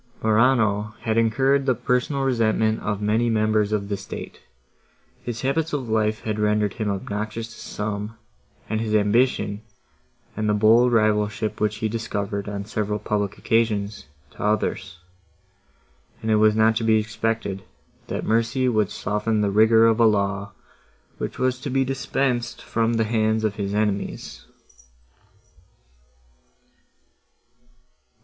Morano had incurred the personal resentment of many members of the state; his habits of life had rendered him obnoxious to some; and his ambition, and the bold rivalship, which he discovered, on several public occasions,—to others; and it was not to be expected, that mercy would soften the rigour of a law, which was to be dispensed from the hands of his enemies.